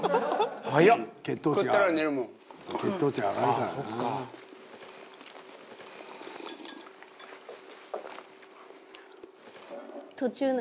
「血糖値上がるからな」